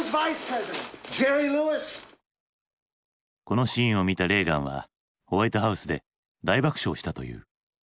このシーンを見たレーガンはホワイトハウスで大爆笑したという。